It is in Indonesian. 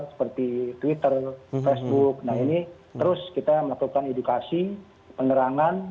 seperti twitter facebook nah ini terus kita melakukan edukasi penerangan